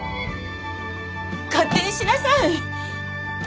勝手にしなさい！